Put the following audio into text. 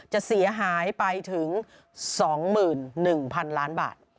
จะเสียหายไปถึง๒๑๐๐๐ล้านบาท